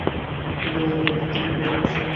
কিন্তু মামির আরেকটি কিডনিও ভালো অবস্থায় নেই।